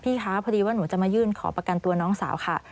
ค่ะพอดีว่าหนูจะมายื่นขอประกันตัวน้องสาวค่ะ